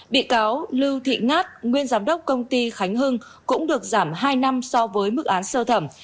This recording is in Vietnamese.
bị cáo lưu thị ngát nguyên giám đốc công ty khánh hưng cũng được giảm hai năm so với mức án sơ thẩm